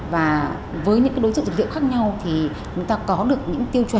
và với những cái đối dựng dược liệu khác nhau thì chúng ta có được những tiêu chuẩn